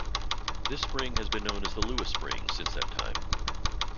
This spring has been known as the Lewis Spring since that time.